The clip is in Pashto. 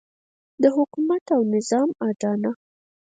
د حکومت او نظام اډانه.